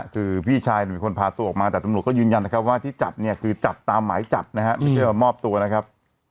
คือพี่ชายเป็นคนพาตัวออกมาแต่ตำรวจก็ยืนยันนะครับว่าที่จับเนี่ยคือจับตามหมายจับนะฮะไม่ใช่ว่ามอบตัวนะครับ